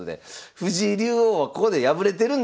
藤井竜王はここで敗れてるんですよねそうなんです。